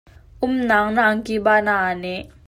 Umnaang na angki ban ah aa neh.